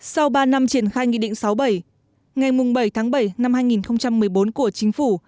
sau ba năm triển khai nghị định sáu bảy ngày bảy tháng bảy năm hai nghìn một mươi bốn của chính phủ